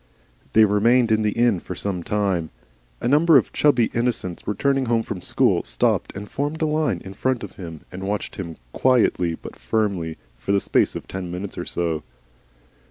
They remained in the inn for some time. A number of chubby innocents returning home from school, stopped and formed a line in front of him, and watched him quietly but firmly for the space of ten minutes or so.